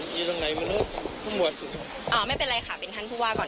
อยู่ตรงไหนไม่รู้ผู้หมวดสุดอ่าไม่เป็นไรค่ะเป็นท่านผู้ว่าก่อน